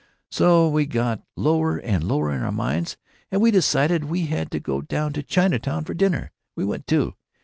So we got lower and lower in our minds, and we decided we had to go down to Chinatown for dinner. We went, too!